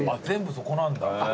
全部そこなんだ。